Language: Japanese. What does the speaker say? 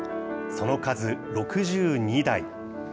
その数６２台。